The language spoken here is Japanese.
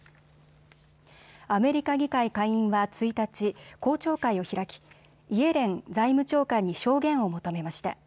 アメリカ議会下院は１日、公聴会を開きイエレン財務長官に証言を求めました。